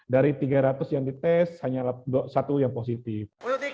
dari tiga ratus yang dites hanya satu yang positif